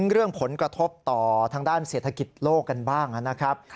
เรื่องผลกระทบต่อทางด้านเศรษฐกิจโลกกันบ้างนะครับ